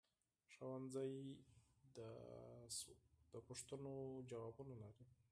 ښوونځی د سوالونو ځوابونه لري